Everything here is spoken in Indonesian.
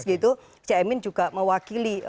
gitu cmi juga mewakili